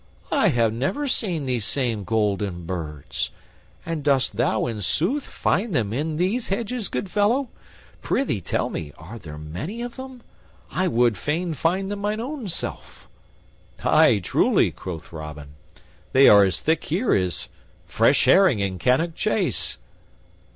I ha' never seen those same golden birds. And dost thou in sooth find them in these hedges, good fellow? Prythee, tell me, are there many of them? I would fain find them mine own self." "Ay, truly," quoth Robin, "they are as thick here as fresh herring in Cannock Chase."